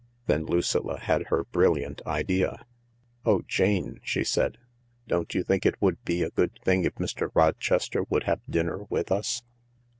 Then Lucilla had her brilliant idea. " Oh, Jane," she said, " don't you think it would be a good thing if Mr. Rochester would have dinner with us